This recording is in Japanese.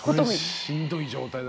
しんどい状態だね。